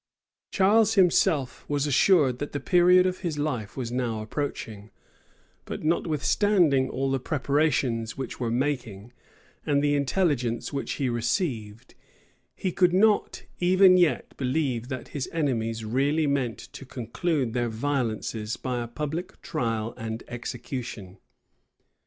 Charles himself was assured that the period of his life was now approaching; but notwithstanding all the preparations which were making, and the intelligence which he received, he could not even yet believe that his enemies really meant to conclude their violences by a public trial and execution.